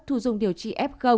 thu dung điều trị f